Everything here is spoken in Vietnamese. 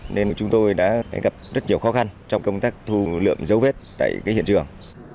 nên chúng tôi đã gặp rất nhiều khó khăn trong công tác thu lượng dấu vết tại hiện trường